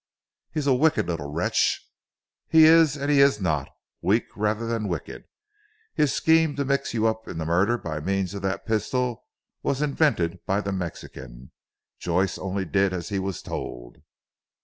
"He is a wicked little wretch!" "He is and he is not. Weak rather than wicked. His scheme to mix you up in the murder by means of that pistol was invented by the Mexican. Joyce only did as he was told."